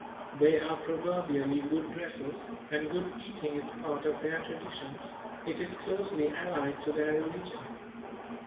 They are proverbially good dressers; and good eating is part of their traditions; it is closely allied to their religion.